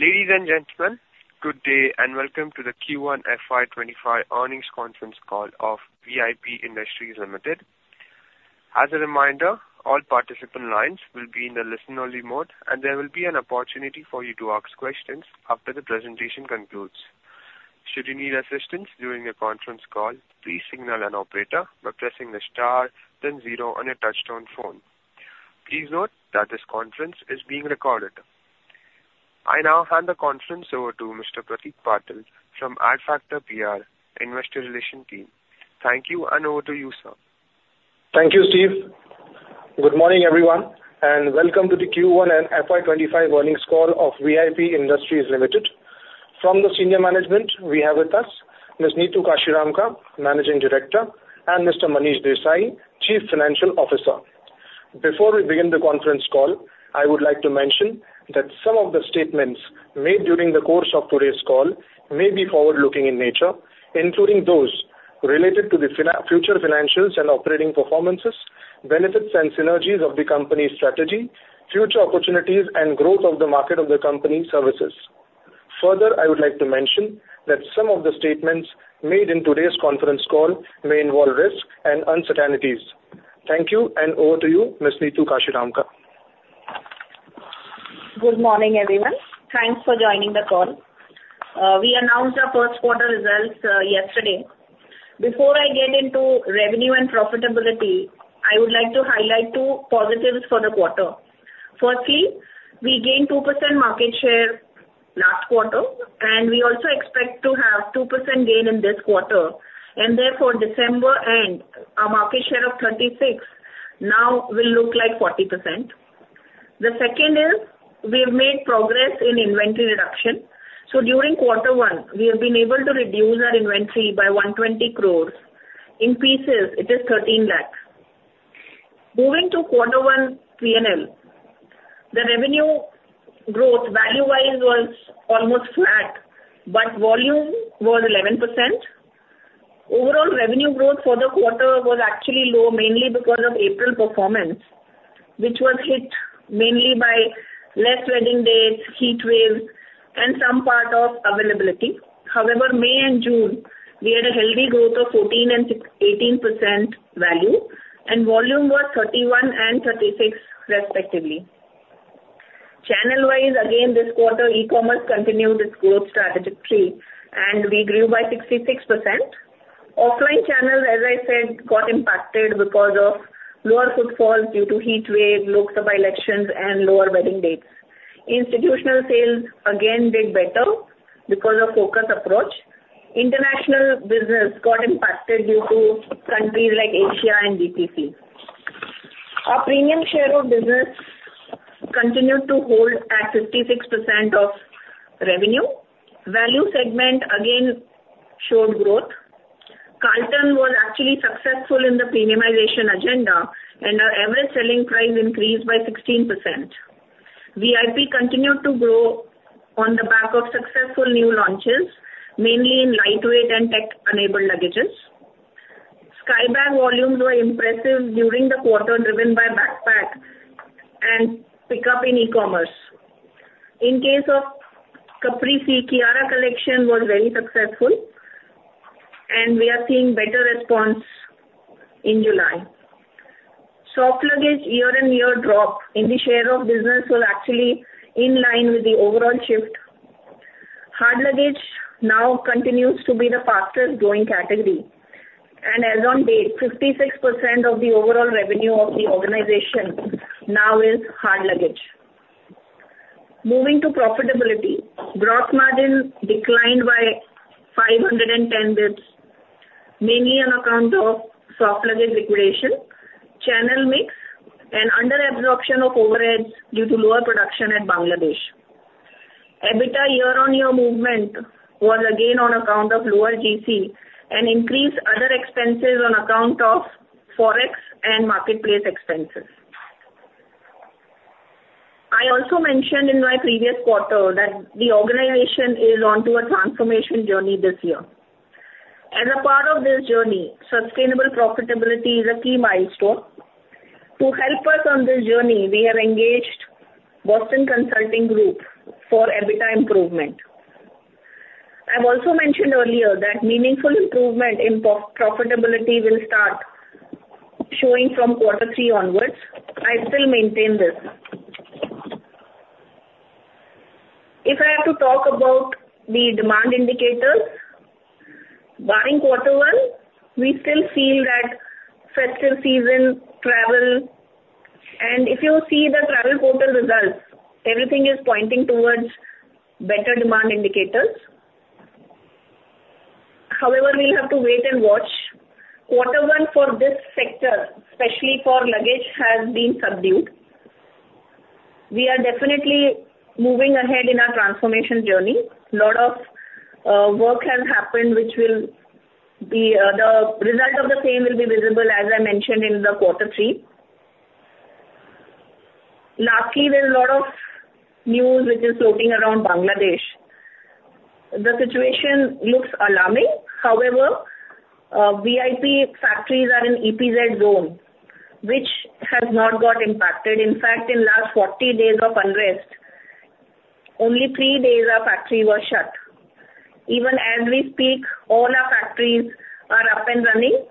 Ladies and gentlemen, good day and welcome to the Q1 FY 2025 Earnings Conference Call of VIP Industries Limited. As a reminder, all participant lines will be in the listen-only mode, and there will be an opportunity for you to ask questions after the presentation concludes. Should you need assistance during the conference call, please signal an operator by pressing the star, then zero on your touch-tone phone. Please note that this conference is being recorded. I now hand the conference over to Mr. Pratik Patil from Adfactors PR, investor relations team. Thank you, and over to you, sir. Thank you, Steve. Good morning, everyone, and welcome to the Q1 and FY 2025 Earnings Call of VIP Industries Limited. From the senior management, we have with us Ms. Neetu Kashiramka, Managing Director, and Mr. Manish Desai, Chief Financial Officer. Before we begin the conference call, I would like to mention that some of the statements made during the course of today's call may be forward-looking in nature, including those related to the future financials and operating performances, benefits and synergies of the company's strategy, future opportunities, and growth of the market of the company's services. Further, I would like to mention that some of the statements made in today's conference call may involve risk and uncertainties. Thank you, and over to you, Ms. Neetu Kashiramka. Good morning, everyone. Thanks for joining the call. We announced our first quarter results yesterday. Before I get into revenue and profitability, I would like to highlight two positives for the quarter. Firstly, we gained 2% market share last quarter, and we also expect to have a 2% gain in this quarter. And therefore, December end, our market share of 36% now will look like 40%. The second is we have made progress in inventory reduction. So during quarter one, we have been able to reduce our inventory by 120 crore. In pieces, it is 13 lakhs. Moving to quarter one P&L, the revenue growth value-wise was almost flat, but volume was 11%. Overall revenue growth for the quarter was actually low, mainly because of April performance, which was hit mainly by less wedding dates, heat wave, and some part of availability. However, May and June, we had a healthy growth of 14% and 18% value, and volume was 31% and 36% respectively. Channel-wise, again, this quarter, e-commerce continued its growth trajectory, and we grew by 66%. Offline channels, as I said, got impacted because of lower footfalls due to heat wave, Lok Sabha elections, and lower wedding dates. Institutional sales again did better because of a focused approach. International business got impacted due to countries like Asia and GCC. Our premium share of business continued to hold at 56% of revenue. Value segment again showed growth. Carlton was actually successful in the premiumization agenda, and our average selling price increased by 16%. VIP continued to grow on the back of successful new launches, mainly in lightweight and tech-enabled luggages. Skybags volumes were impressive during the quarter, driven by backpack and pickup in e-commerce. In case of Caprese, Kiara Collection was very successful, and we are seeing better response in July. Soft luggage year-on-year dropped, and the share of business was actually in line with the overall shift. Hard luggage now continues to be the fastest-growing category. And as of date, 56% of the overall revenue of the organization now is hard luggage. Moving to profitability, gross margins declined by 510 basis points, mainly on account of soft luggage liquidation, channel mix, and under-absorption of overheads due to lower production at Bangladesh. EBITDA year-on-year movement was again on account of lower GC and increased other expenses on account of forex and marketplace expenses. I also mentioned in my previous quarter that the organization is onto a transformation journey this year. As a part of this journey, sustainable profitability is a key milestone. To help us on this journey, we have engaged Boston Consulting Group for EBITDA improvement. I've also mentioned earlier that meaningful improvement in profitability will start showing from quarter three onwards. I still maintain this. If I have to talk about the demand indicators, barring quarter one, we still feel that festive season, travel, and if you see the travel portal results, everything is pointing towards better demand indicators. However, we'll have to wait and watch, quarter one for this sector, especially for luggage, has been subdued. We are definitely moving ahead in our transformation journey. A lot of work has happened, the results of which will be visible, as I mentioned, in quarter three. Lastly, there's a lot of news which is floating around Bangladesh. The situation looks alarming. However, VIP factories are in EPZ zones which have not got impacted. In fact, in last 40 days of unrest, only three days our factory was shut. Even as we speak, all our factories are up and running.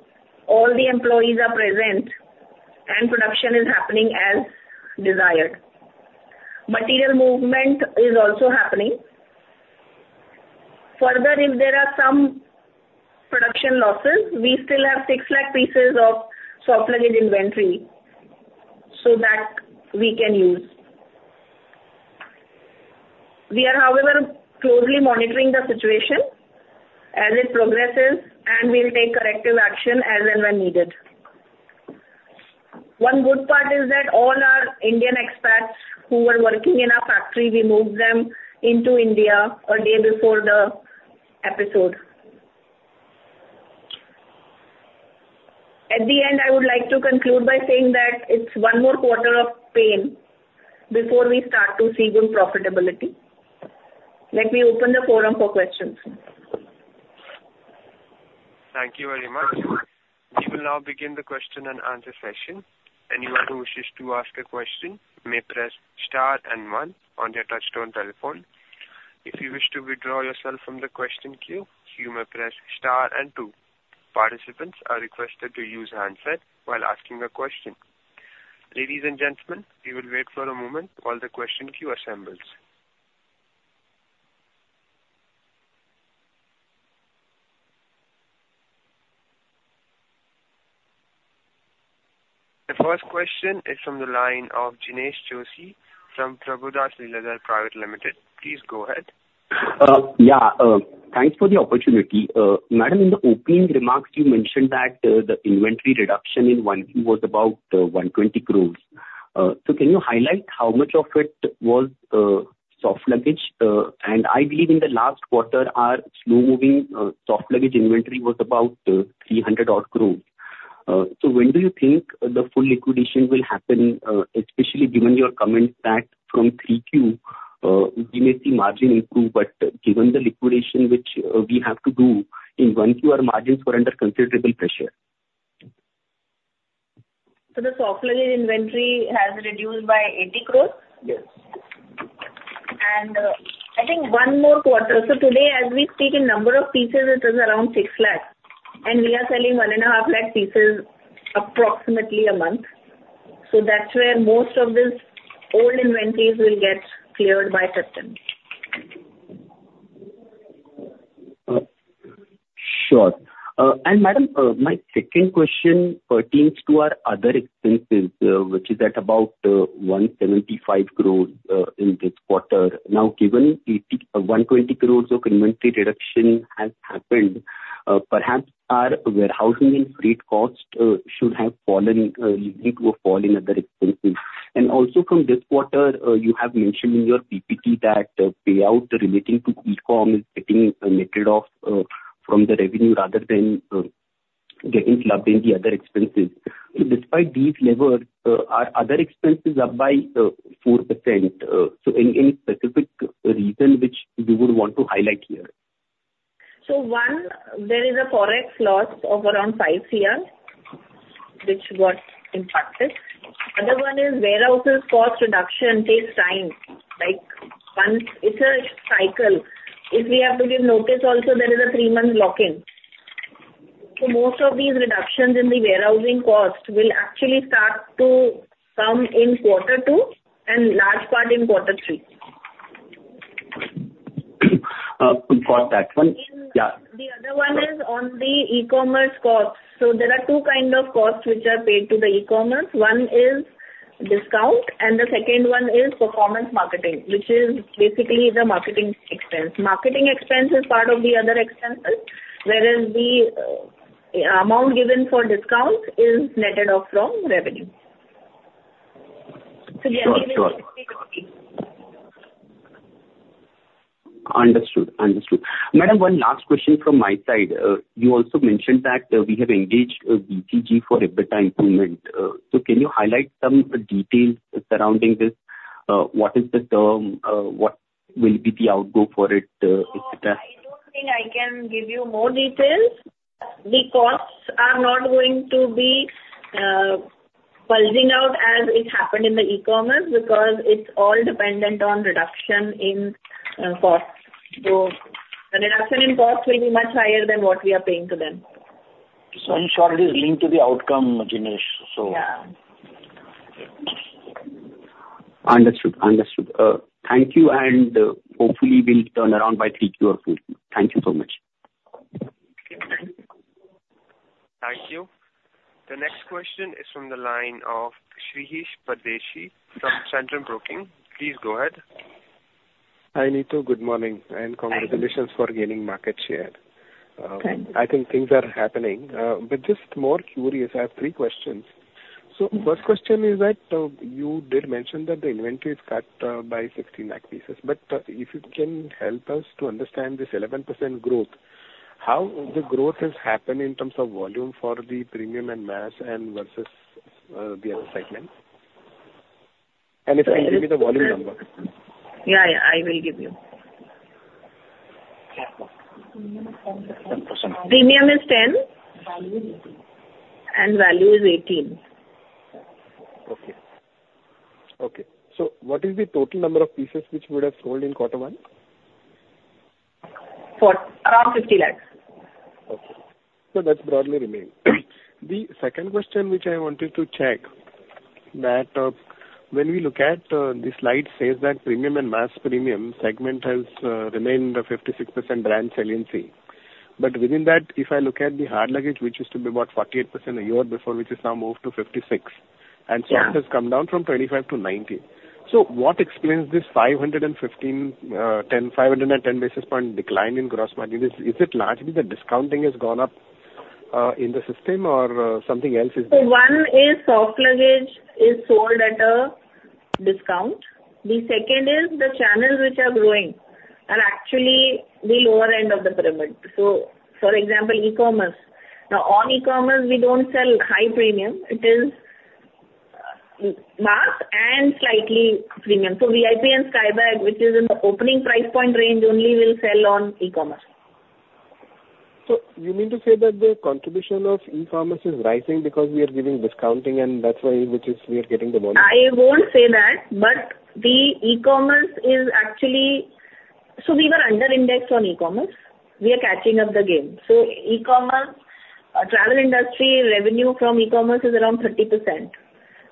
All the employees are present, and production is happening as desired. Material movement is also happening. Further, if there are some production losses, we still have 6 lakh pieces of soft luggage inventory, so that, we can use. We are, however, closely monitoring the situation as it progresses, and we'll take corrective action as and when needed. One good part is that all our Indian expats who were working in our factory, we moved them into India a day before the episode. At the end, I would like to conclude by saying that it's one more quarter of pain before we start to see good profitability. Let me open the forum for questions. Thank you very much. We will now begin the question-and-answer session. Anyone who wishes to ask a question may press star and one on their touch-tone telephone. If you wish to withdraw yourself from the question queue, you may press star and two. Participants are requested to use handset while asking a question. Ladies and gentlemen, we will wait for a moment while the question queue assembles. The first question is from the line of Jinesh Joshi from Prabhudas Lilladher Private Limited. Please go ahead. Yeah. Thanks for the opportunity. Madam, in the opening remarks, you mentioned that the inventory reduction in 1Q was about 120 crore. So can you highlight how much of it was soft luggage? And I believe in the last quarter, our slow-moving soft luggage inventory was about 300-odd crore, so when do you think the full liquidation will happen, especially given your comments that from 3Q, we may see margin improve, but given the liquidation which we have to do in 1Q, our margins were under considerable pressure? So the soft luggage inventory has reduced by 80 crore. Yes. I think one more quarter. Today, as we speak, in number of pieces, it is around 6 lakhs. We are selling 1.5 lakh pieces approximately a month. That's where most of these old inventories will get cleared by September. Sure. And Madam, my second question pertains to our other expenses, which is at about 175 crore in this quarter. Now, given 120 crore of inventory reduction has happened, perhaps our warehousing and freight cost should have fallen leading to a fall in other expenses. And also from this quarter, you have mentioned in your PPT that payout relating to e-comm is getting netted off from the revenue rather than getting clubbed in the other expenses. So despite these levers, our other expense is up by 4%. So any specific reason which you would want to highlight here? One, there is a forex loss of around 5 crore, which got impacted. Another one is warehousing cost reduction takes time. It's a cycle. If we have to give notice, also there is a three-month lock-in. So most of these reductions in the warehousing cost will actually start to come in quarter two and large part in quarter three. Got that one. Yeah. The other one is on the e-commerce cost. So there are two kinds of costs which are paid to the e-commerce. One is discount, and the second one is performance marketing, which is basically the marketing expense. Marketing expense is part of the other expenses, whereas the amount given for discounts is netted off from revenue. So. Got it, got it. Understood. Understood. Madam, one last question from my side. You also mentioned that we have engaged BCG for EBITDA improvement. So can you highlight some details surrounding this? What is the term? What will be the outgo for it, etc.? I don't think I can give you more details. The costs are not going to be pulsing out as it happened in the e-commerce because it's all dependent on reduction in costs. So the reduction in cost will be much higher than what we are paying to them. So in short, it is linked to the outcome, Jinesh, so. Yeah. Understood. Understood. Thank you. And hopefully, we'll turn around by 3Q or 4Q. Thank you so much. Thank you. Thank you. The next question is from the line of Shirish Pardeshi from Centrum Broking. Please go ahead. Hi Neetu. Good morning, and congratulations for gaining market share. Thank you. I think things are happening, but just more curious, I have three questions, so first question is that you did mention that the inventory is cut by 16 lakh pieces. But if you can help us to understand this 11% growth, how the growth has happened in terms of volume for the premium and mass and versus the other segments. And if you can give me the volume number? Yeah. I will give you. Premium is 10%. 10%. Premium is 10%. Value is 18%. And value is 18%. Okay. So what is the total number of pieces which would have sold in quarter one? Around 50 lakhs. Okay. So that's broadly remained. The second question which I wanted to check that when we look at this slide says that premium and mass premium segment has remained 56% brand saliency. But within that, if I look at the hard luggage, which used to be about 48% a year before, which has now moved to 56%, and soft has come down from 25% to 19%. So what explains this 515, 510 basis point decline in gross margin? Is it largely the discounting has gone up in the system or something else? So one is soft luggage is sold at a discount. The second is the channels which are growing are actually the lower end of the pyramid. So for example, e-commerce. Now, on e-commerce, we don't sell high premium. It is mass and slightly premium. So VIP and Skybags, which is in the opening price point range, only will sell on e-commerce. So you mean to say that the contribution of e-commerce is rising because we are giving discounting and that's why we are getting the volume? I won't say that. But the e-commerce is actually so we were under-indexed on e-commerce. We are catching up the game. So e-commerce, travel industry, revenue from e-commerce is around 30%.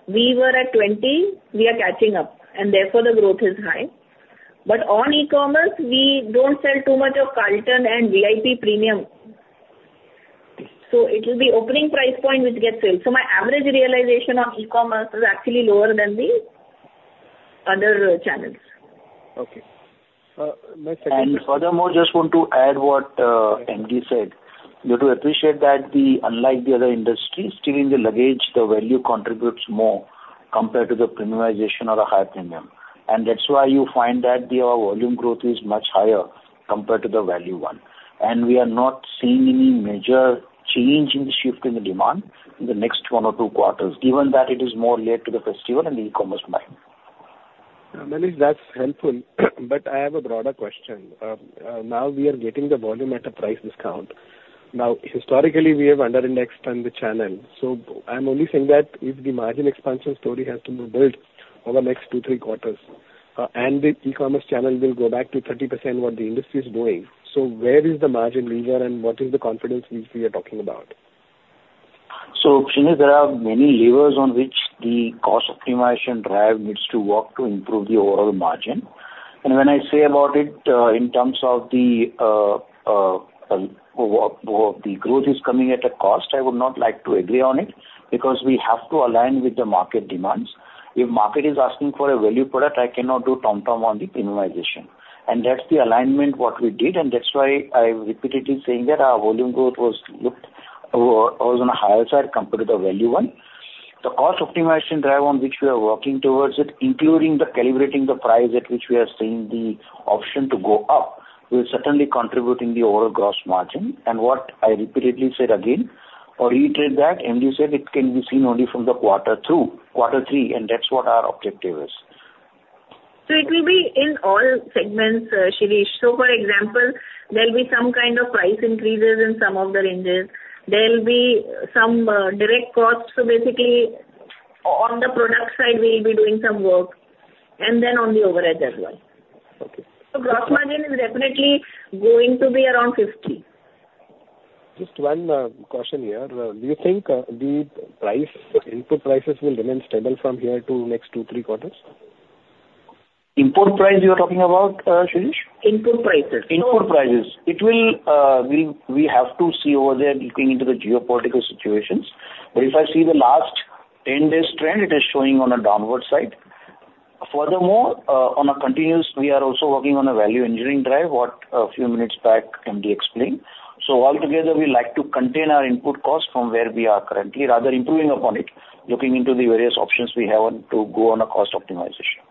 We were at 20%. We are catching up. And therefore, the growth is high. But on e-commerce, we don't sell too much of Carlton and VIP premium. So it will be opening price point which gets filled. So my average realization on e-commerce is actually lower than the other channels. Okay. My second question. And furthermore, just want to add, what MD said. You have to appreciate that unlike the other industries, still, in the luggage, the value contributes more compared to the premiumization or a higher premium. And that's why you find that the volume growth is much higher compared to the value one. And we are not seeing any major change in the shift in the demand in the next one or two quarters, given that it is more layered to the festival and the e-commerce market. Manish, that's helpful, but I have a broader question. Now we are getting the volume at a price discount. Now, historically, we have under-indexed on the channel. So I'm only saying that if the margin expansion story has to be built over the next two, three quarters, and the e-commerce channel will go back to 30% what the industry is doing, so where is the margin lever and what is the confidence which we are talking about? So there are many levers on which the cost optimization drive needs to work to improve the overall margin. And when I say about it in terms of the growth is coming at a cost, I would not like to agree on it because we have to align with the market demands. If the market is asking for a value product, I cannot do tom-tom on the premiumization. And that's the alignment what we did. And that's why I repeatedly saying that our volume growth was on the higher side compared to the value one. The cost optimization drive on which we are working towards it, including the calibrating the price at which we are seeing the option to go up, will certainly contribute in the overall gross margin. And what I repeatedly said again or reiterate that, MD said it can be seen only from the quarter two, quarter three, and that's what our objective is. So it will be in all segments, Shirish. So for example, there'll be some kind of price increases in some of the ranges. There'll be some direct costs. So basically, on the product side, we'll be doing some work. And then on the overhead as well. So gross margin is definitely going to be around 50%. Just one question here. Do you think the input prices will remain stable from here to next two, three quarters? Import price you are talking about, Shirish? Input prices. Input prices. We have to see over there looking into the geopolitical situations. But if I see the last 10 days trend, it is showing on a downward side. Furthermore, on a continuous, we are also working on a value engineering drive, what a few minutes back MD explained. So altogether, we like to contain our input cost from where we are currently, rather improving upon it, looking into the various options we have to go on a cost optimization.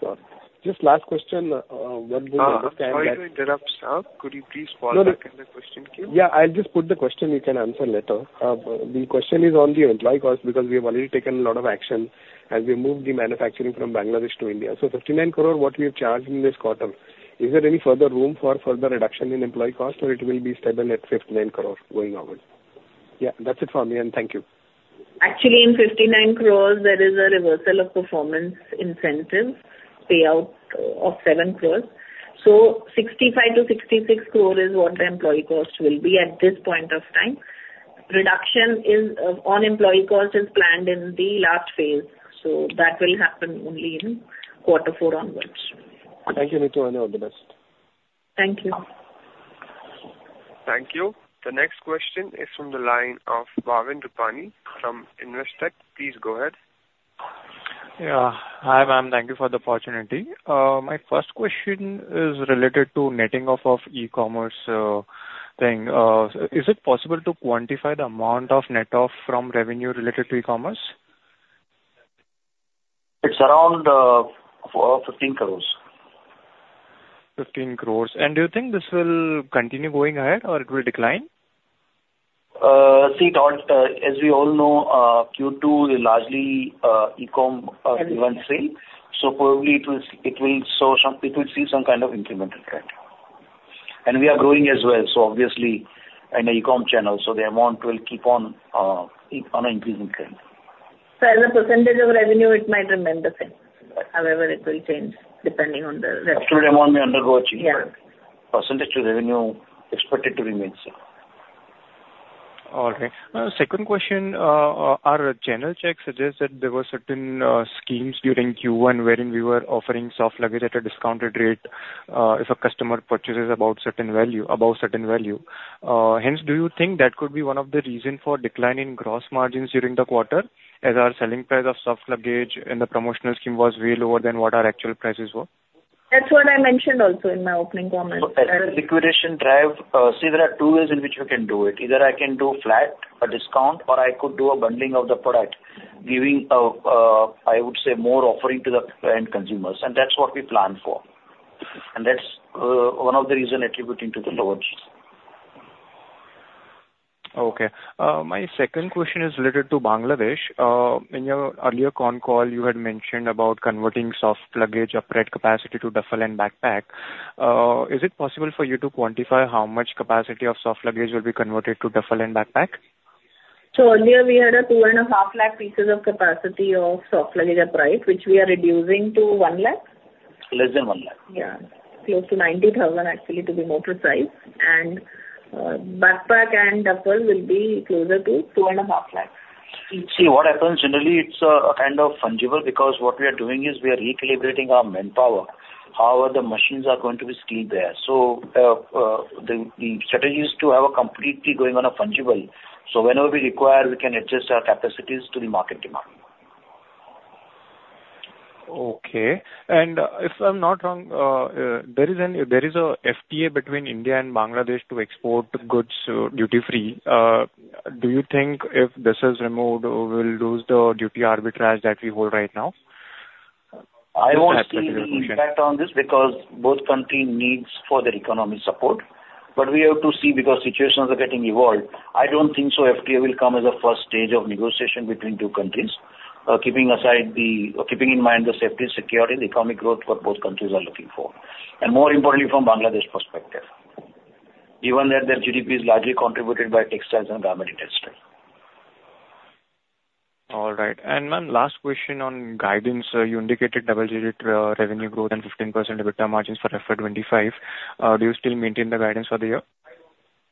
Got it. Just last question. Sorry to interrupt, sir. Could you please fall back in the question queue? Yeah. I'll just put the question. You can answer later. The question is on the employee cost because we have already taken a lot of action as we moved the manufacturing from Bangladesh to India. So 59 crore, what we have charged in this quarter, is there any further room for further reduction in employee cost, or it will be stable at 59 crore going forward? Yeah. That's it for me. And thank you. Actually, in 59 crore, there is a reversal of performance incentive payout of 7 crore. So 65 crore-66 crore is what the employee costs will be at this point of time. Reduction on employee cost is planned in the last phase, so that will happen only in quarter four onwards. Thank you, and all he best. Thank you. Thank you. The next question is from the line of Bhavin Rupani from Investec. Please go ahead. Yeah. Hi, ma'am. Thank you for the opportunity. My first question is related to netting off of e-commerce thing. Is it possible to quantify the amount of net-off from revenue related to e-commerce? It's around 15 crores. 15 crores. And do you think this will continue going ahead or it will decline? See, as we all know, Q2 is largely e-comm events sale. So probably it will see some kind of incremental trend. And we are growing as well. So obviously, in the e-comm channel, so the amount will keep on an increasing trend. So as a percentage of revenue, it might remain the same. However, it will change depending on the. Absolute amount may undergo a change. Yeah. But percentage of revenue expected to remain same. All right. Second question. Our channel check suggests that there were certain schemes during Q1 wherein we were offering soft luggage at a discounted rate if a customer purchases above certain value. Hence, do you think that could be one of the reasons for decline in gross margins during the quarter as our selling price of soft luggage and the promotional scheme was way lower than what our actual prices were? That's what I mentioned also in my opening comments. Liquidation drive. See, there are two ways in which we can do it. Either I can do a flat, a discount, or I could do a bundling of the product, giving, I would say, more offering to the end consumers. And that's what we plan for. And that's one of the reasons attributing to the lower GC. Okay. My second question is related to Bangladesh. In your earlier con call, you had mentioned about converting soft luggage upright capacity to duffel and backpack. Is it possible for you to quantify how much capacity of soft luggage will be converted to duffel and backpack? So earlier, we had a 2.5 lakh pieces of capacity of soft luggage upright, which we are reducing to 1 lakh. Less than 1 lakh. Yeah. Close to 90,000, actually, to be more precise, and backpack and duffel will be closer to 2.5 lakhs. See, what happens generally, it's a kind of fungible because what we are doing is we are recalibrating our manpower. However, the machines are going to be still there. So the strategy is to have completely going on a fungible. So whenever we require, we can adjust our capacities to the market demand. Okay, and if I'm not wrong, there is a FTA between India and Bangladesh to export goods duty-free. Do you think, if this is removed, we'll lose the duty arbitrage that we hold right now? I don't see the impact on this because both countries need further economic support. But we have to see because situations are getting evolved. I don't think so FTA will come as a first stage of negotiation between two countries, keeping in mind the safety, security, and the economic growth that both countries are looking for and more importantly from Bangladesh perspective given that their GDP is largely contributed by textiles and garment industries. All right. And ma'am, last question on guidance. You indicated double-digit revenue growth and 15% EBITDA margins for FY 2025. Do you still maintain the guidance for the year?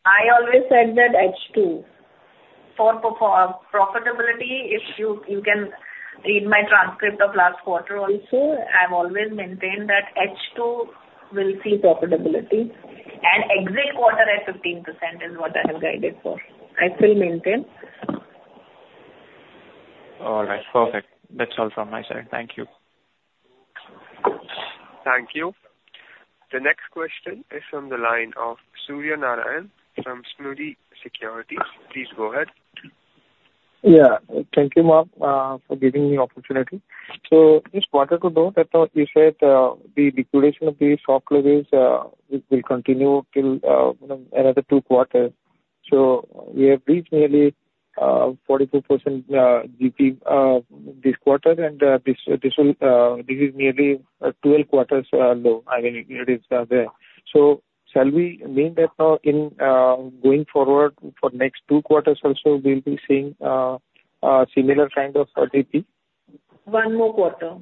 I always said that H2 for profitability, if you can read my transcript of last quarter also. I've always maintained that H2 will see profitability. And exit quarter at 15% is what I have guided for. I still maintain. All right. Perfect. That's all from my side. Thank you. Thank you. The next question is from the line of Surya Narayan from Sunidhi Securities. Please go ahead. Yeah. Thank you, ma'am, for giving me the opportunity. So just wanted to know, that what you said, the liquidation of the soft luggage will continue till another two quarters. So we have reached nearly 42% GP this quarter, and this is nearly 12 quarters low. I mean, it is there. So shall we mean that now in going forward for next two quarters also, we'll be seeing a similar kind of GP? One more quarter.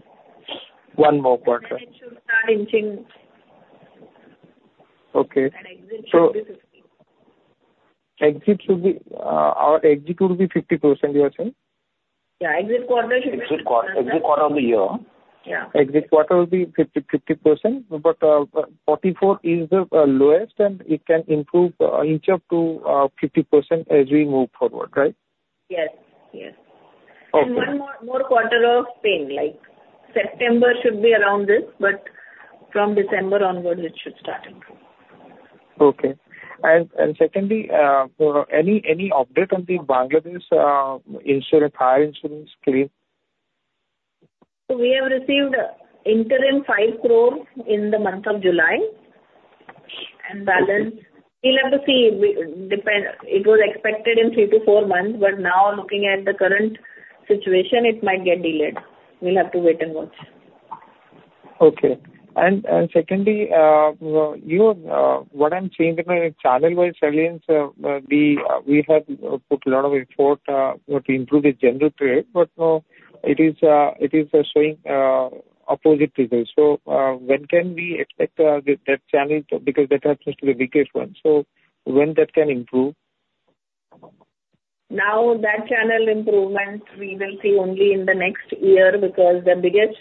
One more quarter. And then it should start. Okay. And exit should be 50%. Exit should be our exit will be 50%, you are saying. Yeah. Exit quarter. Exit quarter of the year. Yeah. Exit quarter will be 50%. But 44% is the lowest, and it can improve, inch up to 50% as we move forward, right? Yes. Yes. Okay. One more quarter of pain. Like September should be around this, but from December onwards, it should start improving. Okay. And secondly, any update on the Bangladesh fire insurance claim? So we have received interim 5 crore in the month of July. And balance, we'll have to see. It was expected in three to four months, but now looking at the current situation, it might get delayed. We'll have to wait and watch. Okay. And secondly, what I'm seeing with the channel-wise salience, we have put a lot of effort to improve the general trade, but now it is showing opposite results. So when can we expect that channel? Because that happens to be biggest one. So when that can improve? Now, that channel improvement, we will see only in the next year because the biggest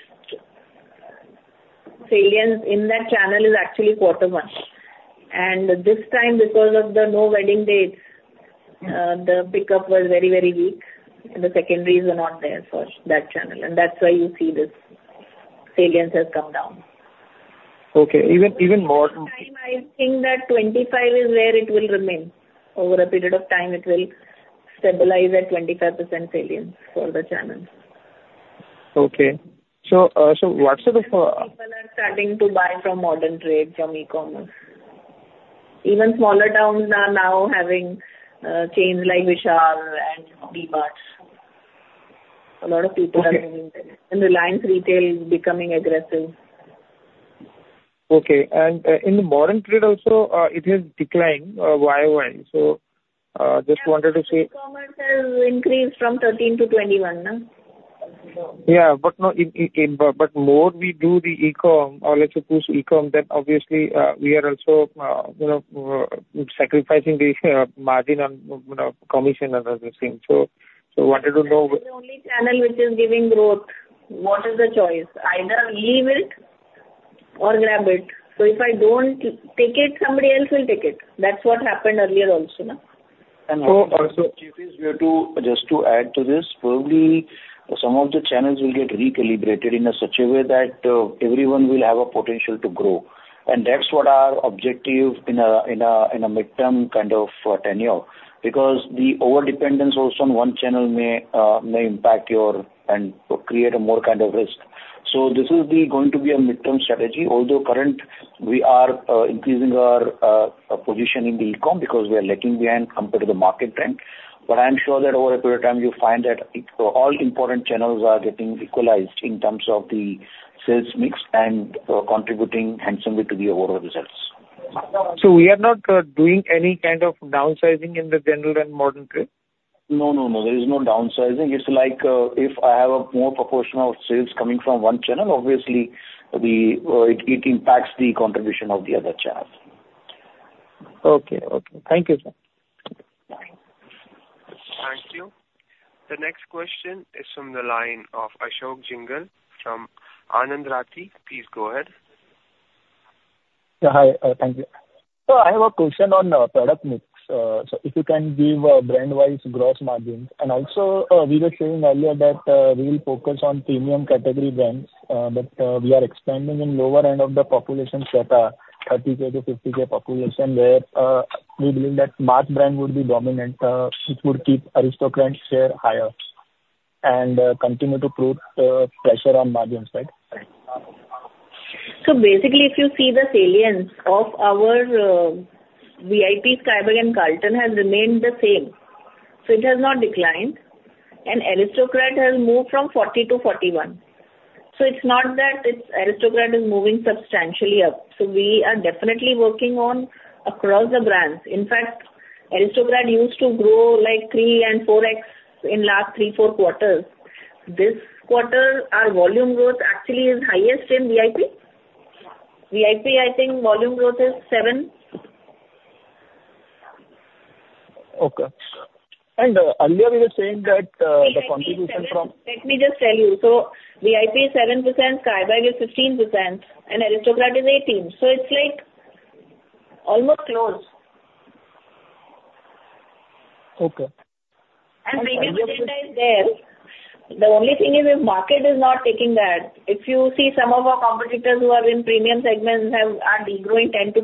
salience in that channel is actually quarter one. And this time, because of the no wedding dates, the pickup was very, very weak. The secondaries are not there for that channel. And that's why you see this salience has come down. Okay. Even more. Over time, I think that 25% is where it will remain. Over a period of time, it will stabilize at 25% salience for the channel. Okay, so what sort of. people are starting to buy from modern trade, from e-commerce. Even smaller towns are now having chains like Vishal and DMart. A lot of people are moving there. And Reliance Retail is becoming aggressive. Okay. And in the modern trade also, it has declined YoY. So just wanted to say. E-commerce has increased from 13 to 21, no? Yeah. But more we do the e-comm, or let's suppose e-comm, then obviously, we are also sacrificing the margin on commission and other things. So wanted to know. It's the only channel which is giving growth. What is the choice? Either leave it or grab it. So if I don't take it, somebody else will take it. That's what happened earlier also, no? Just to add to this. Probably some of the channels will get recalibrated in such a way that everyone will have a potential to grow. And that's what our objective in a mid-term kind of tenure. Because the overdependence also on one channel may impact your and create a more kind of risk. So this is going to be a mid-term strategy, although current we are increasing our position in the e-comm because we are lagging behind compared to the market trend. But I'm sure that over a period of time, you find that all important channels are getting equalized in terms of the sales mix and contributing handsomely to the overall results. So we are not doing any kind of downsizing in the general and modern trade. No, no, no. There is no downsizing. It's like if I have more proportional sales coming from one channel, obviously, it impacts the contribution of the other channels. Okay. Okay. Thank you, sir. Thank you. The next question is from the line of Ashok Jindal from Anand Rathi. Please go ahead. Yeah. Hi. Thank you. Sir, I have a question on product mix. So if you can give brand-wise gross margin. And also, we were saying earlier that we will focus on premium category brands, but we are expanding in lower end of the populations that are 30,000-50,000 population, where we believe that mass brand will be dominant, which will keep Aristocrat's share higher and continue to put pressure on margins, right? So basically, if you see the salience of our VIP, Skybags and Carlton, has remained the same. So it has not declined. And Aristocrat has moved from 40 to 41. So it's not that it's Aristocrat is moving substantially up. So we are definitely working on across the brands. In fact, Aristocrat used to grow like 3x and 4x in last three, four quarters. This quarter, our volume growth actually is highest in VIP. VIP, I think volume growth is 7%. Okay. And earlier, we were saying that the contribution from. Let me just tell you. So VIP is 7%, Skybags is 15%, and Aristocrat is 18%. So it's like almost close. Okay. And premium agenda is there. The only thing is if market is not taking that, if you see some of our competitors who are in premium segments are degrowing 10%-12%.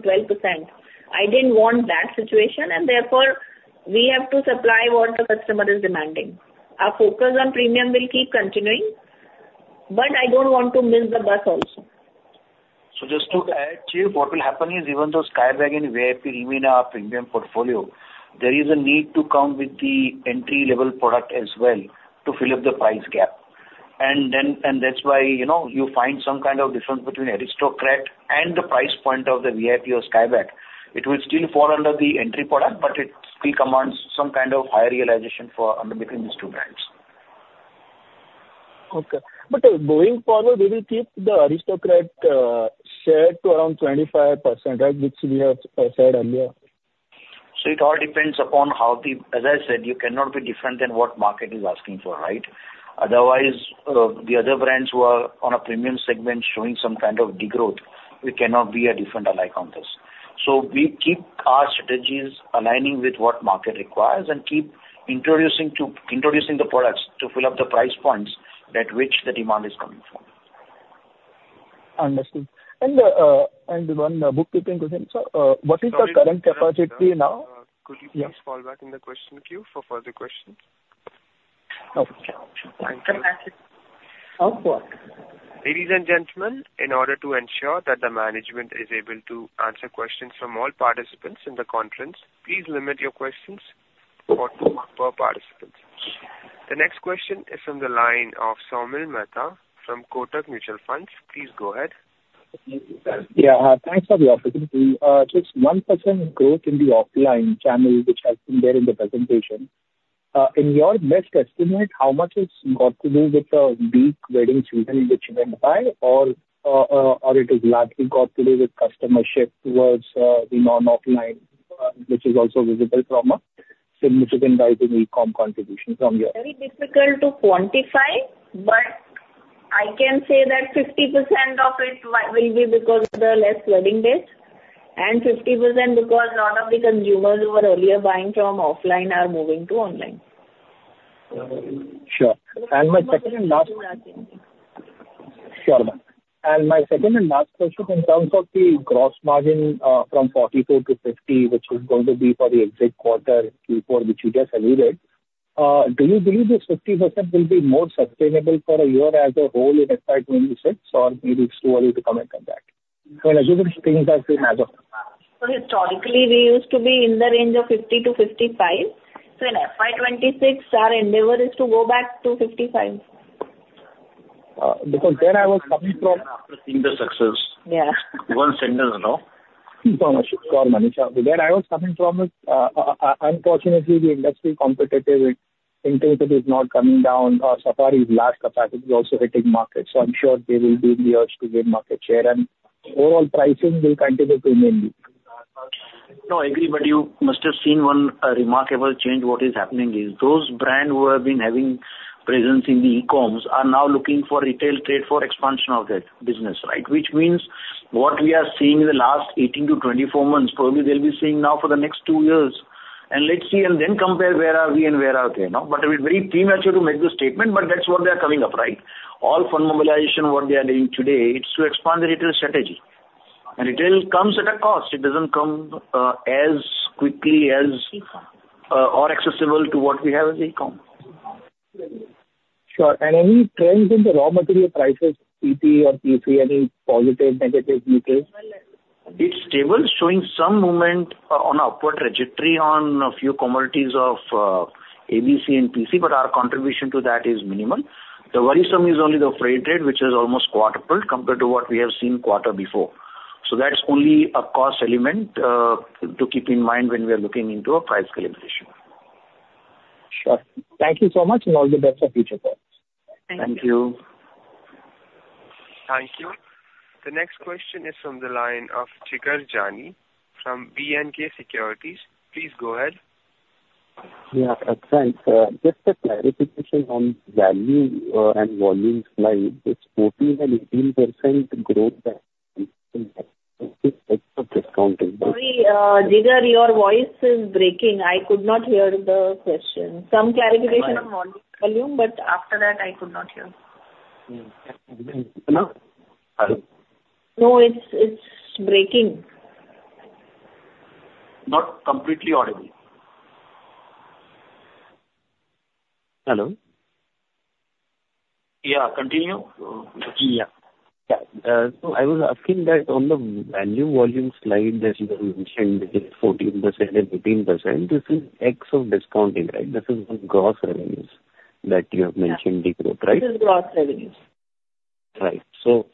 I didn't want that situation. And therefore, we have to supply what the customer is demanding. Our focus on premium will keep continuing, but I don't want to miss the bus also. So just to add here, what will happen is even though Skybags and VIP remain our premium portfolio, there is a need to come with the entry-level product as well to fill up the price gap. And that's why you find some kind of difference between Aristocrat and the price point of the VIP or Skybags. It will still fall under the entry product, but it still commands some kind of higher realization between these two brands. Okay. But going forward, we will keep the Aristocrat share to around 25%, right, which we have said earlier. So it all depends upon how the, as I said, you cannot be different than what market is asking for, right? Otherwise, the other brands who are on a premium segment showing some kind of degrowth, we cannot be a different alike on this. So we keep our strategies aligning with what market requires and keep introducing the products to fill up the price points at which the demand is coming from. Understood. And one bookkeeping question, sir. What is the current capacity now? Could you please fall back in the question queue for further questions? Okay. Thank you. Ladies and gentlemen, in order to ensure that the management is able to answer questions from all participants in the conference, please limit your questions to one per participant. The next question is from the line of Saumil Mehta from Kotak Mutual Funds. Please go ahead. Yeah. Thanks for the opportunity. Just 1% growth in the offline channel, which has been there in the presentation. In your best estimate, how much has got to do with the weak wedding season which went by? Or it has largely got to do with customer shift towards the non-offline, which is also visible from a significant rise in e-comm contribution from your [end]. Very difficult to quantify, but I can say that 50% of it will be because of the less wedding dates and 50% because a lot of the consumers who were earlier buying from offline are moving to online. Sure. And my second and last. Sure, ma'am. And my second and last question, in terms of the gross margin from 44% to 50%, which is going to be for the exit quarter Q4, which you just alluded, do you believe this 50% will be more sustainable for a year as a whole in FY 2026? Or maybe it's too early to comment on that. And assuming things. So historically, we used to be in the range of 50%-55%, so in FY 2026, our endeavor is to go back to 55%. Because then I was coming from. After seeing the success. Yeah. Got it, Manish. Where I was coming from is, unfortunately, the industry competitive intensity is not coming down. Safari's large capacity is also hitting market. So I'm sure they will be in the urge to gain market share, and overall pricing will continue to remain weak. No, I agree, but you must have seen one remarkable change. What is happening is those brands who have been having presence in the e-comm are now looking for retail trade for expansion of their business, right? Which means what we are seeing in the last 18 months-24 months, probably they'll be seeing now for the next two years. And let's see and then compare where are we and where are they. But it will be premature to make the statement, but that's what they are coming up, right? All fund mobilization on what they are doing today, it's to expand the retail strategy. And retail comes at a cost. It doesn't come as quickly or accessible to what we have in e-comm. Sure. And any trends in the raw material prices, PP or PC, any positive, negative, details? It's stable, showing some movement on upward trajectory on a few commodities of ABS and PC, but our contribution to that is minimal. The worrisome is only the freight rate, which has almost quadrupled compared to what we have seen quarter before. So that's only a cost element to keep in mind when we are looking into a price calibration. Sure. Thank you so much and all the best for future calls. Thank you. Thank you. Thank you. The next question is from the line of Jigar Jani from B&K Securities. Please go ahead. Yeah. Thanks. Just a clarification on value and volume slide. It's 14% and 18% growth. Sorry, Jigar, your voice is breaking. I could not hear the question. Some clarification on volume, but after that, I could not hear. Hello. No. It's breaking. Not completely audible. Hello. Yeah. Continue. Yeah. So I was asking that on the value/volume slide 14% and 18%. This is ex of discounting, right? This is gross revenues that you have mentioned degrowth, right? Yes. This is gross revenues. Right. So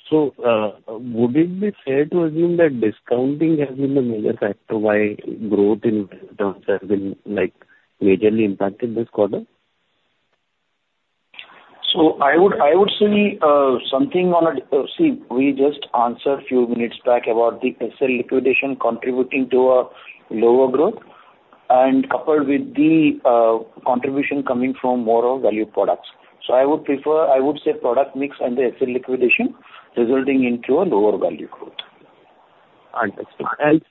would it be fair to assume that discounting has been the major factor why growth in terms has been majorly impacted this quarter? So I would say see we just answered a few minutes back about the SL liquidation contributing to a lower growth and coupled with the contribution coming from more of value products. So I would say product mix and the SL liquidation resulting into a lower value growth. And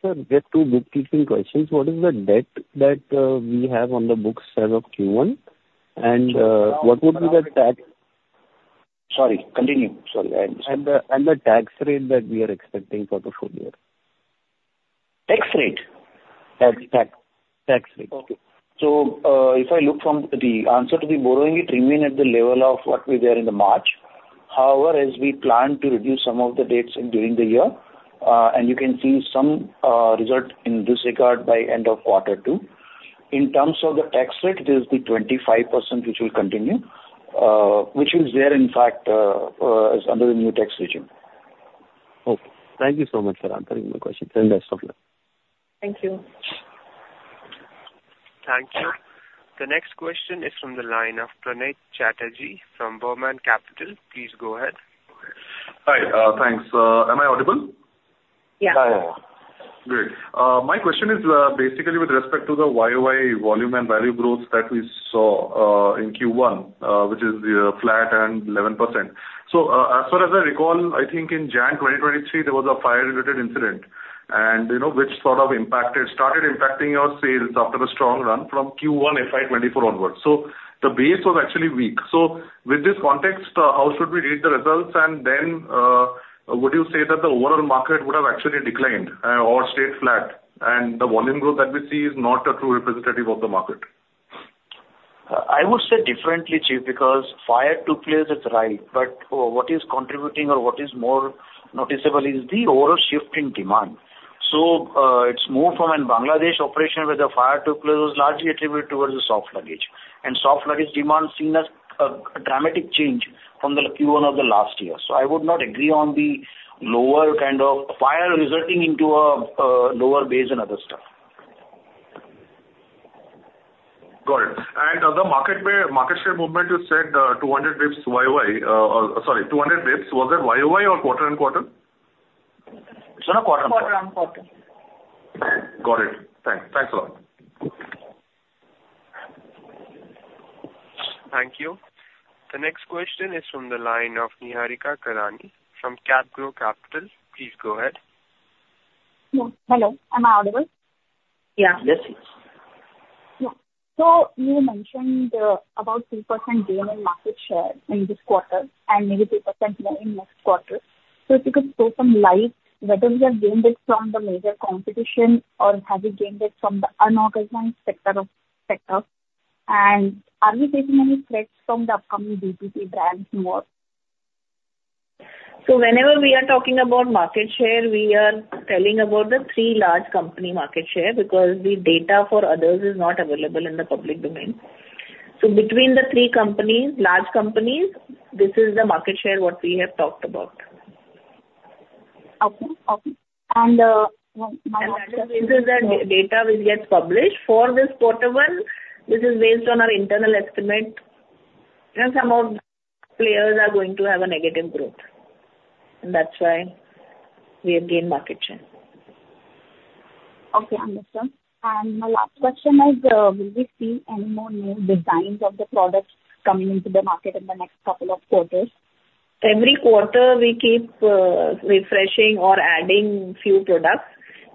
sir, just two bookkeeping questions. What is the debt that we have on the books as of Q1? And what would be the. Sorry. Continue. Sorry. And the tax rate that we are expecting for the full year? Tax rate. Tax rate. Okay. So if I look from the answer to the borrowing, it remained at the level of what were there in the March. However, as we plan to reduce some of the debts during the year, and you can see some result in this regard by end of quarter two. In terms of the tax rate, it is the 25% which will continue, which is there, in fact, under the new tax regime. Okay. Thank you so much for answering my questions. And best of luck. Thank you. Thank you. The next question is from the line of Pranay Chatterjee from Burman Capital. Please go ahead. Hi. Thanks. Am I audible? Yeah. Yeah, yeah, yeah. Good. My question is basically with respect to the YoY volume and value growth that we saw in Q1, which is flat at 11%. So as far as I recall, I think, in January 2023, there was a fire-related incident, which sort of started impacting our sales after a strong run from Q1 FY 2024 onward. So the base was actually weak. So with this context, how should we read the results? And then would you say that the overall market would have actually declined or stayed flat? And the volume growth that we see is not a true representative of the market. I would say differently, chief, because the fire took place. That's right, but what is contributing or what is more noticeable is the overall shift in demand. So it's more from a Bangladesh operation where the fire took place was largely attributed towards the soft luggage, and soft luggage demand seen a dramatic change from the Q1 of the last year. So I would not agree on the lower, kind of fire resulting into a lower base and other stuff. Got it. And the market share movement, you said 200 basis points YoY. Sorry, 200 basis points. Was it YoY or quarter-on-quarter? It's on a quarter-on-quarter. Quarter-on-quarter. Got it. Thanks. Thanks a lot. Thank you. The next question is from the line of Niharika Karnani from CapGrow Capital. Please go ahead. Hello. Am I audible? Yeah. Yes, please. So you mentioned about 3% gain in market share in this quarter and maybe 3% more in next quarter. So if you could throw some light whether we have gained it from the major competition. Or have we gained it from the unorganized sector? And are we facing any threats from the upcoming B2B brands more? So whenever we are talking about market share, we are telling about the three large company market share because the data for others is not available in the public domain. So between the three large companies, this is the market share what we have talked about. Okay. Okay. And. This is the data which gets published for this quarter one. This is based on our internal estimate. And some of players are going to have a negative growth. And that's why we have gained market share. Okay. Understood. My last question is, will we see any more new designs of the products coming into the market in the next couple of quarters? Every quarter, we keep refreshing or adding few products.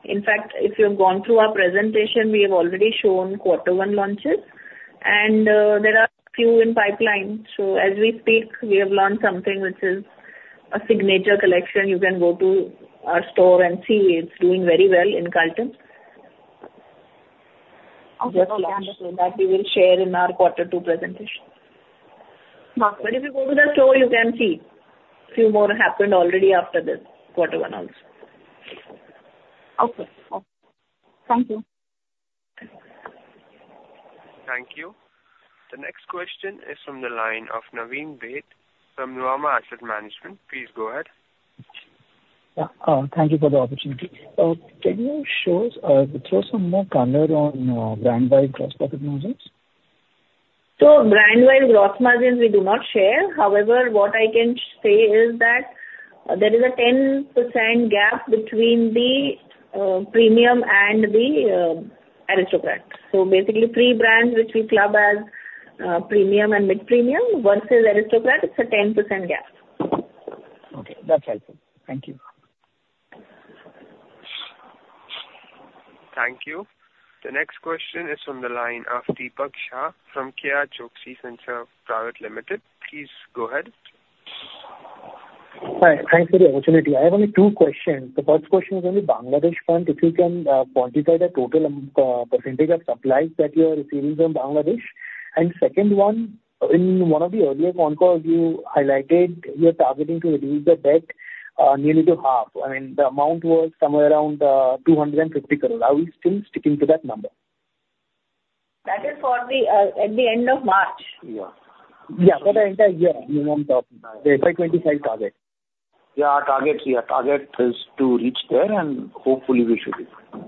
In fact, if you've gone through our presentation, we have already shown quarter one launches. And there are a few in pipeline. So as we speak, we have launched something which is a Signature collection. You can go to our store and see it's doing very well in Carlton. We just launched so that we will share in our quarter two presentation. But if you go to the store, you can see a few more happened already after this quarter one also. Okay. Thank you. Thank you. The next question is from the line of Naveen Baid from Nuvama Asset Management. Please go ahead. Thank you for the opportunity. Can you throw some more color on brand-wide gross margins? So brand-wide gross margins, we do not share. However, what I can say is that there is a 10% gap between the premium and the Aristocrat. So basically, three brands which we club as premium and mid-premium versus Aristocrat, it's a 10% gap. Okay. That's helpful. Thank you. Thank you. The next question is from the line of Deepak Shah from KRChoksey Finserv Private Limited. Please go ahead. Thanks for the opportunity. I have only two questions. The first question is on the Bangladesh front. If you can quantify the total percentage of supplies that you are receiving from Bangladesh. And second one, in one of the earlier con calls, you highlighted you're targeting to reduce the debt nearly to half. I mean, the amount was somewhere around 250 crore. Are we still sticking to that number? That is for the end of March. Yeah. Yeah. For the entire year, minimum, the FY 2025 target. Yeah. Our target is to reach there, and hopefully, we should be fine.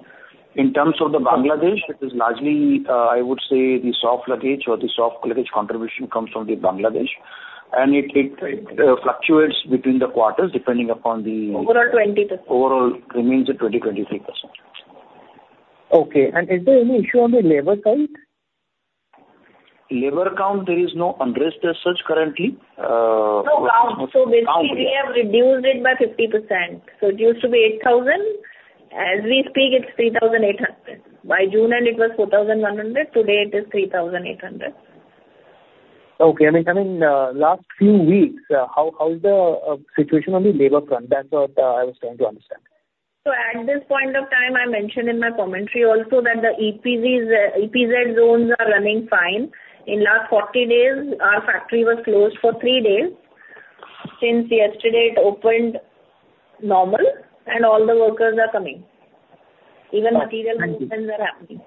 In terms of the Bangladesh, it is largely, I would say, the soft luggage or the soft luggage contribution comes from the Bangladesh. And it fluctuates between the quarters depending upon the. Overall 20% to. Overall remains at 20%, 23%. Okay. And is there any issue on the labor side? Labor count, there is no unrest as such currently. So count. So basically we have reduced it by 50%. So it used to be 8,000. As we speak, it's 3,800. By June end, it was 4,100. Today, it is 3,800. Okay. I mean, last few weeks, how is the situation on the labor front? That's what I was trying to understand. At this point of time, I mentioned in my commentary also that the EPZ zones are running fine. In last 40 days, our factory was closed for three days. Since yesterday, it opened normal, and all the workers are coming. Even material movements are happening.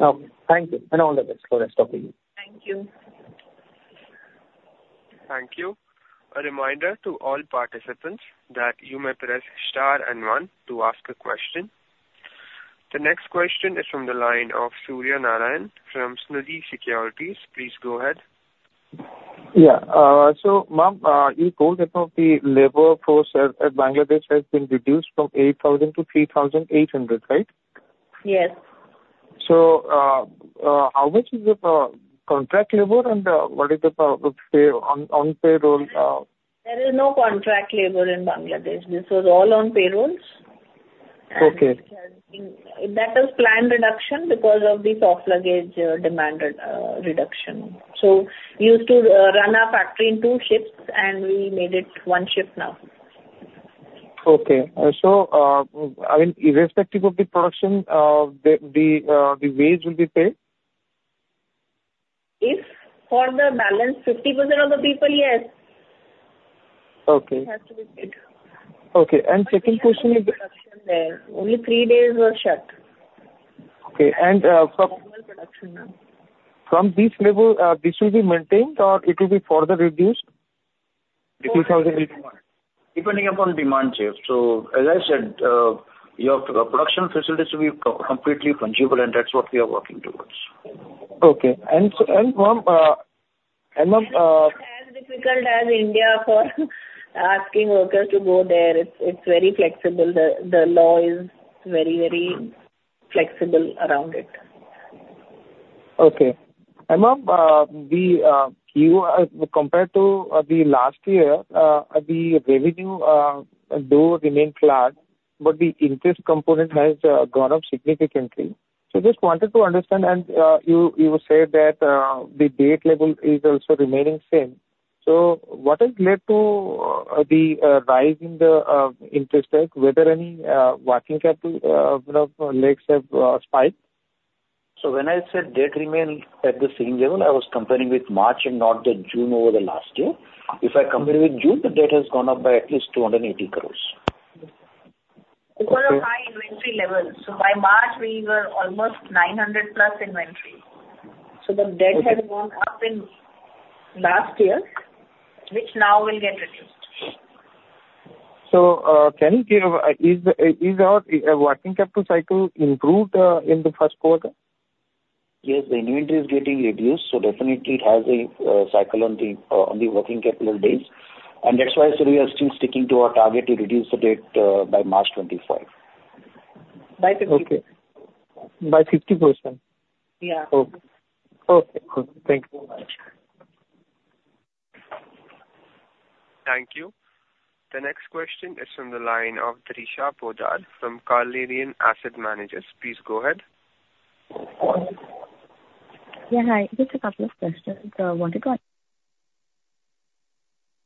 Okay. Thank you. And all the best for the rest of the year. Thank you. Thank you. A reminder to all participants that you may press star and one to ask a question. The next question is from the line of Surya Narayan from Sunidhi Securities. Please go ahead. Yeah. So ma'am, you told that the labor force at Bangladesh has been reduced from 8,000 to 3,800, right? Yes. How much is the contract labor, and what is the on payroll? There is no contract labor in Bangladesh. This was all on payrolls. That was planned reduction because of the soft luggage demand reduction. So we used to run our factory in two shifts, and we made it one shift now. Okay. So I mean, irrespective of the production, the wage will be paid. If for the balance, 50% of the people, yes. It has to be paid. Okay. And second question is. Only three days were shut. And normal production now. Okay. And from this level, this will be maintained, or it will be further reduced. Depending upon demand, chief. So as I said, your production facilities will be completely fungible, and that's what we are working towards. Okay. And ma'am. as difficult as India for asking workers to go there. It's very flexible. The law is very, very flexible around it. Okay. And ma'am, compared to the last year, the revenue, though, remains flat, but the interest component has gone up significantly. So just wanted to understand. And you said that the debt level is also remaining same. So what has led to the rise in the interest rate? Were there any working capital needs have spiked? When I said debt remained at the same level, I was comparing with March and not the June over the last year. If I compare with June, the debt has gone up by at least 280 crores. Because of high inventory levels. So by March, we were almost 900+ inventory. So the debt has gone up in last year, which now will get reduced. So, can you give us is working capital cycle improved in the first quarter? Yes. The inventory is getting reduced, so definitely it has a cycle on the working capital days. And that's why we are still sticking to our target to reduce the debt by March 2025. By 50%. By 50%. Yeah. Okay. Okay. Thank you very much. Thank you. The next question is from the line of Drisha Poddar from Carnelian Asset Managers. Please go ahead. Yeah. Hi. Just a couple of questions.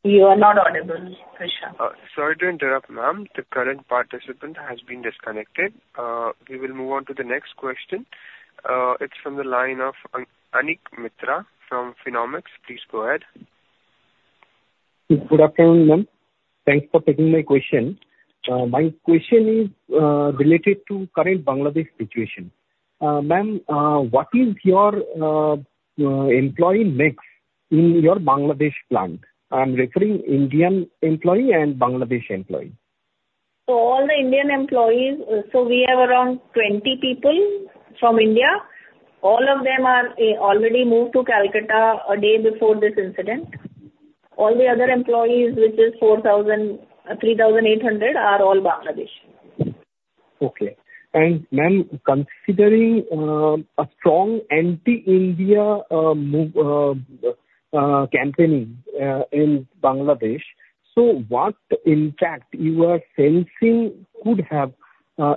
You are not audible, Drisha. Sorry to interrupt, ma'am. The current participant has been disconnected. We will move on to the next question. It's from the line of Anik Mitra from Finnomics. Please go ahead. Good afternoon, ma'am. Thanks for taking my question. My question is related to current Bangladesh situation. Ma'am, what is your employee mix in your Bangladesh plant? I'm referring Indian employee and Bangladeshi employee. All the Indian employees, so we have around 20 people from India. All of them are already moved to Kolkata a day before this incident. All the other employees, which is 3,800, are all Bangladeshi. Okay. And ma'am, considering a strong anti-India campaigning in Bangladesh, so what, in fact, you are sensing could have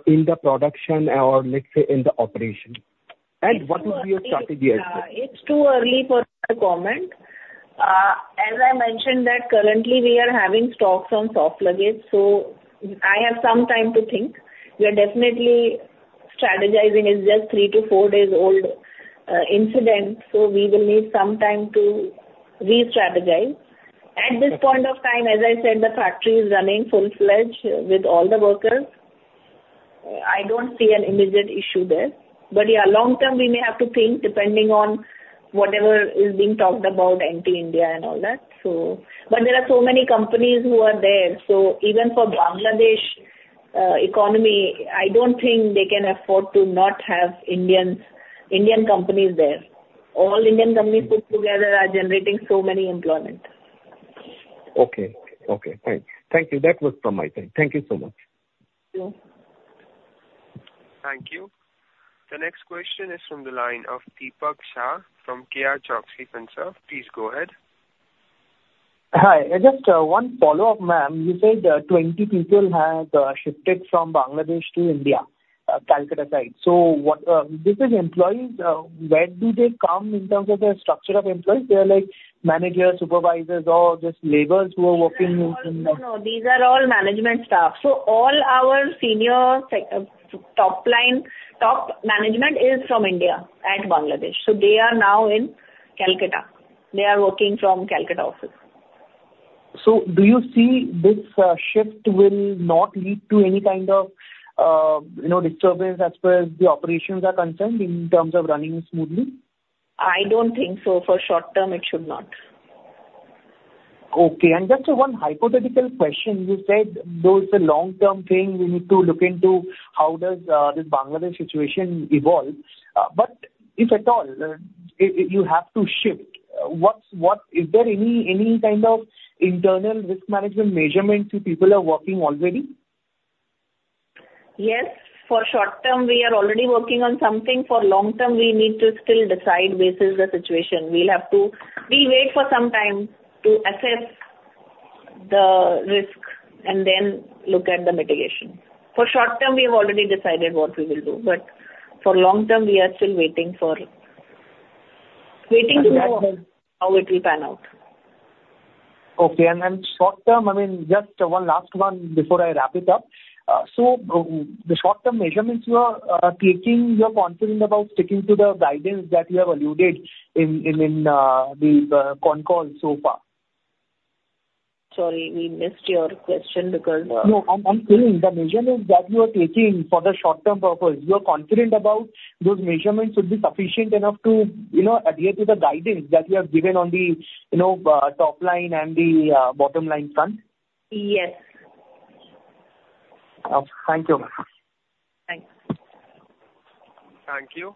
in the production or, let's say, in the operation? And what would be your strategy as well? It's too early for to comment. As I mentioned, currently, we are having stocks on soft luggage. So I have some time to think. We are definitely strategizing. It's just three- to four-days-old incident, so we will need some time to re-strategize. At this point of time, as I said, the factory is running full fledged with all the workers. I don't see an immediate issue there. But yeah, long term, we may have to think depending on whatever is being talked about, anti-India and all that. But there are so many companies who are there. So even for Bangladesh economy, I don't think they can afford to not have Indian companies there. All Indian companies put together are generating so many employment. Okay. Okay. Thank you. That was from my side. Thank you so much. Thank you. Thank you. The next question is from the line of Deepak Shah from KRChoksey Finserv. Please go ahead. Hi. Just one follow-up, ma'am. You said 20 people have shifted from Bangladesh to India, Kolkata side. So this is employees. Where do they come in terms of the structure of employees? They are like managers, supervisors, or just laborers who are working. No, no, no. These are all management staff. So all our senior top management is from India and Bangladesh. So they are now in Kolkata. They are working from Kolkata office. So do you see this shift will not lead to any kind of disturbance as far as the operations are concerned in terms of running smoothly? I don't think so. For short term, it should not. Okay, and just one hypothetical question. You said those are long-term things we need to look into, how does this Bangladesh situation evolve, but if at all you have to shift, is there any kind of internal risk management measurement people are working already? Yes. For short term, we are already working on something. For long term, we need to still decide basis the situation. We'll have to wait for some time to assess the risk and then look at the mitigation. For short term, we have already decided what we will do. But for long term, we are still waiting to know how it will pan out. Okay, and short term, I mean, just one last one before I wrap it up, so the short-term measures you are taking, you are confident about sticking to the guidance that you have alluded in the con call so far. Sorry. We missed your question because. No. I'm saying the measurements that you are taking for the short-term purpose. You are confident about those measurements would be sufficient enough to adhere to the guidance that you have given on the top line and the bottom line front. Yes. Thank you. Thanks. Thank you.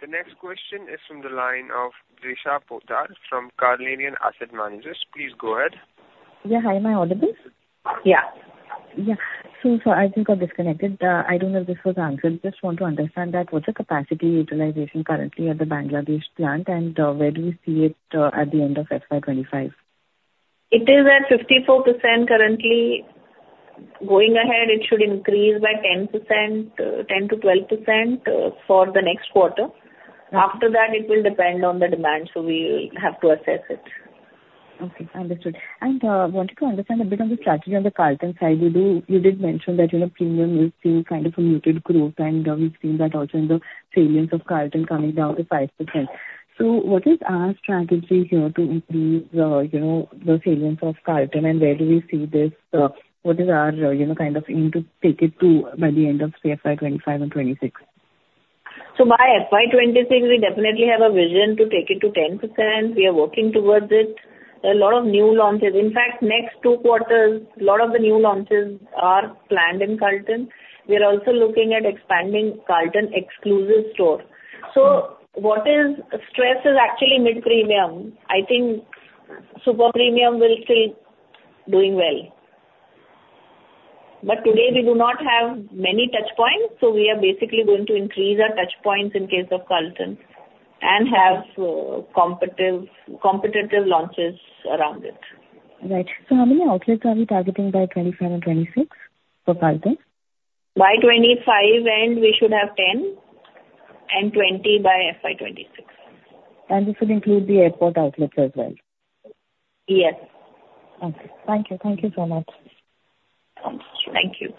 The next question is from the line of Drisha Poddar from Carnelian Asset Managers. Please go ahead. Yeah. Hi. Am I audible? Yeah. Yeah. So sorry, I just got disconnected. I don't know if this was answered. Just want to understand that what's the capacity utilization currently at the Bangladesh plant. And where do we see it at the end of FY 2025? It is at 54% currently. Going ahead, it should increase by 10%, 10%-12% for the next quarter. After that, it will depend on the demand, so we will have to assess it. Okay. Understood, and I wanted to understand a bit on the strategy on the Carlton side. You did mention that premium is still kind of a muted growth, and we've seen that also in the salience of Carlton coming down to 5%. So what is our strategy here to increase the salience of Carlton, and where do we see this? What is our kind of aim to take it to by the end of FY 2025 and FY 2026? So by FY 2026, we definitely have a vision to take it to 10%. We are working towards it. There are a lot of new launches. In fact, next two quarters, a lot of the new launches are planned in Carlton. We are also looking at expanding Carlton exclusive store. So what is stressed is actually mid-premium. I think super-premium will still doing well. But today, we do not have many touchpoints, so we are basically going to increase our touchpoints in case of Carlton and have competitive launches around it. Right. So how many outlets are we targeting by 2025 and 2026 for Carlton? By 2025 end, we should have 10; and 20 by FY 2026. This would include the airport outlets as well. Yes. Okay. Thank you. Thank you so much. Thank you.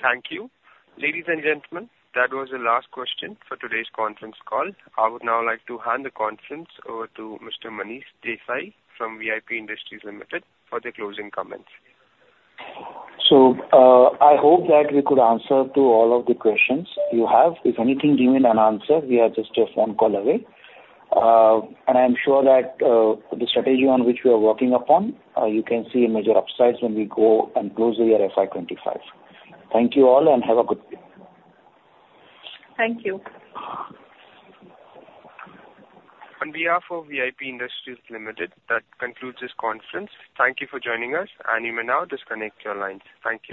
Thank you. Ladies and gentlemen, that was the last question for today's conference call. I would now like to hand the conference over to Mr. Manish Desai from VIP Industries Limited for the closing comments. So, I hope that we could answer to all of the questions you have. If anything remained unanswered, we are just a phone call away. And I'm sure that, the strategy on which we are working upon, you can see major upsides when we go and close the year FY 2025. Thank you all, and have a good day. Thank you. On behalf of VIP Industries Limited, that concludes this conference. Thank you for joining us, and you may now disconnect your lines. Thank you.